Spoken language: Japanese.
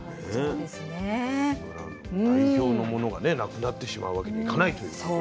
代表のものがね無くなってしまうわけにはいかないという。